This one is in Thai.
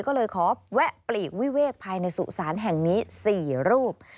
ก็เลยขอแวะปลีกวิเวกภายในสุสานแห่งนี้๔รูป